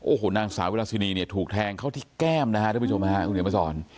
โอ้โหนางสาวิลาซีนีเนี่ยถูกแทงเข้าที่แก้มนะฮะท่านผู้ชมฮาอุเหรียบประสอร์น